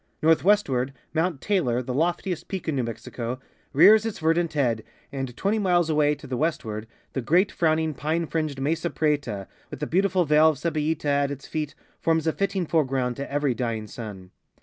Northwestward, Mount Taylor, the loftiest peak in New Me.xico, rears its verdant head, and 20 miles away to the westward the great frowning pine fringed Mesa Prieta, with the beautiful vale of Cebollila at its feet, forms a fitting foreground to every dying sun.